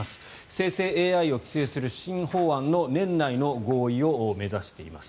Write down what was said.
生成ＡＩを規制する新法案の年内の合意を目指しています。